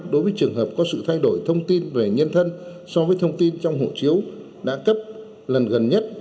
đối với trường hợp có sự thay đổi thông tin về nhân thân so với thông tin trong hộ chiếu đã cấp lần gần nhất